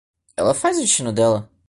Ela faz o destino dela